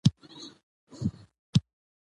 بزګان د افغانستان د اوږدمهاله پایښت لپاره مهم دي.